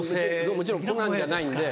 もちろんコナンじゃないんで。